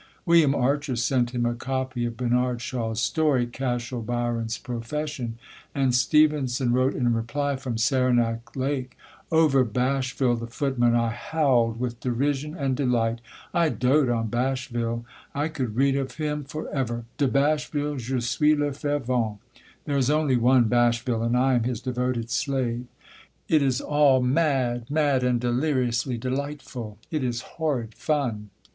William Archer sent him a copy of Bernard Shaw's story, Cashel Byron's Profession, and Stevenson wrote in reply from Saranac Lake, "Over Bashville the footman I howled with derision and delight; I dote on Bashville I could read of him for ever; de Bashville je suis le fervent there is only one Bashville, and I am his devoted slave.... It is all mad, mad and deliriously delightful.... It is HORRID FUN....